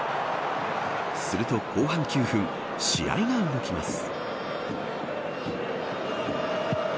すると、後半９分試合が動きます。